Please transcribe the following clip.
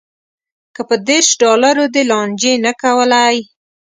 که په دېرش ډالرو دې لانجې نه کولی.